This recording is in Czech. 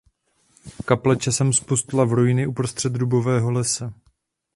Kaple časem zpustla v ruiny uprostřed dubového lesa.